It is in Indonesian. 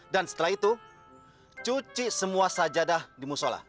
dan setelah itu cuci semua sajadah di musola